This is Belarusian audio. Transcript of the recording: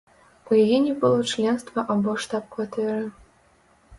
У яе не было членства або штаб-кватэры.